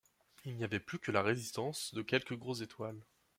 Il n’y avait plus que la résistance de quelques grosses étoiles.